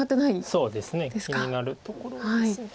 そうですね気になるところです。